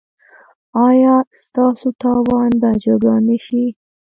ایا ستاسو تاوان به جبران نه شي؟